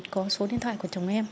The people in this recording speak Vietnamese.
có số điện thoại của chồng em